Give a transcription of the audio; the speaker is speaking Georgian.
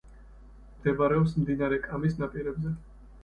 მდებარეობს მდინარე კამის ნაპირებზე.